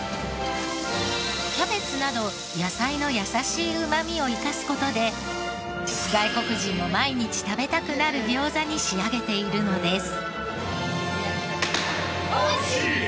キャベツなど野菜の優しいうまみを生かす事で外国人も毎日食べたくなる餃子に仕上げているのです。